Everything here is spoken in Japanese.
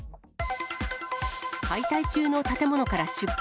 解体中の建物から出火。